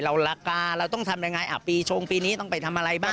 ราคาเราต้องทำยังไงอ่ะปีชงปีนี้ต้องไปทำอะไรบ้าง